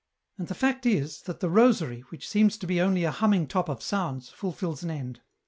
" And the fact is, that the rosary, which seems to be only a humming top of sounds, fulfils an end.